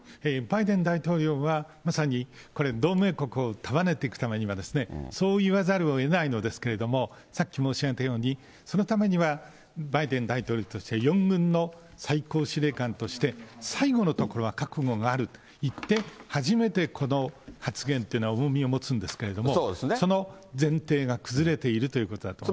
バイデン大統領は、まさにこれ、同盟国を束ねていくためには、そういわざるをえないのですけれども、さっき申し上げたように、そのためにはバイデン大統領としての最高司令官として、最後のところは覚悟があると言って、初めてこの発言というのは重みを持つんですけれども、その前提が崩れているということは。